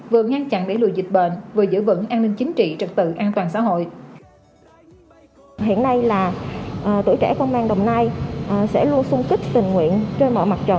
vừa ngăn chặn đẩy lùi dịch bệnh vừa giữ vững an ninh chính trị trật tự an toàn xã hội